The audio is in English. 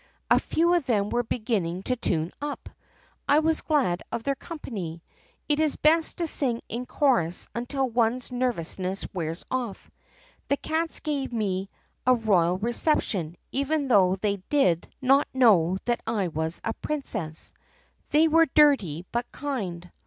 A few of them were beginning to tune up. I was glad of their company. It is best to sing in chorus until one's nervousness wears off. "The cats gave me a royal reception even though they did THE PUSSYCAT PRINCESS 24 not know that I was a princess. They were dirty but kind.